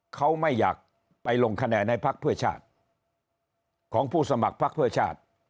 เขาไม่อยากไปลงคะแนนให้พักเพื่อชาติของผู้สมัครพักเพื่อชาติ